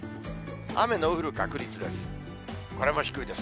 雨の降る確率です。